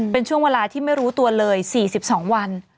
เป็นช่วงเวลาที่ไม่รู้ตัวเลย๔๒วัน